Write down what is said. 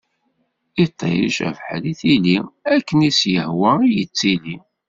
Iṭij, abeḥri, tili ; akken i s-yehwa i yettili.